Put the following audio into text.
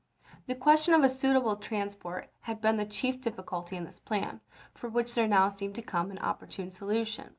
The question of a suitable transport had been the chief difficulty in this plan, for which there now seemed to come an opportune solution.